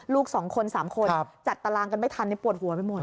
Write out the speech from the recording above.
ลูก๒คน๓คนจัดตารางกันไม่ทันปวดหัวไปหมด